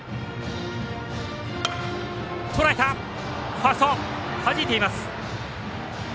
ファーストはじいています。